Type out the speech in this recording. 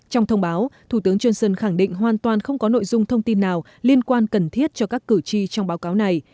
trong thông báo thủ tướng johnson khẳng định hoàn toàn không có nội dung thông tin nào liên quan cần thiết cho các cử tri trong báo cáo này